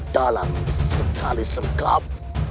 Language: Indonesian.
dalam sekali sergap